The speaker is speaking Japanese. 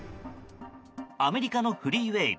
アメリカのフリーウェー。